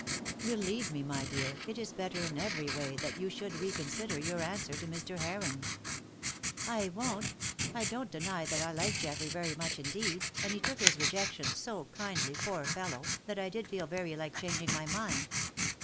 Believe me, my dear, it is better in every way that you should reconsider your answer to Mr. Heron." "I won't! I don't deny that I like Geoffrey very much indeed, and he took his rejection, so kindly, poor fellow, that I did feel very like changing my mind.